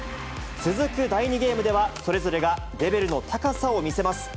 続く第２ゲームでは、それぞれがレベルの高さを見せます。